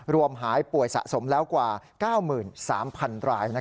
รวมหายป่วยสะสมแล้วกว่า๙๓๐๐๐ราย